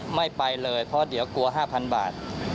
ไม่ไปเลยเพราะเดี๋ยวกลัว๕๐๐บาท